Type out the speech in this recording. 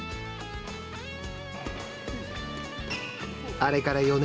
あれから４年。